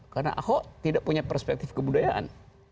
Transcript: karena ahok tidak punya perspektif kebudayaan